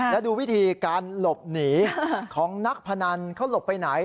และดูวิธีการหลบหนีของนักพนันเขาหลบไปไหน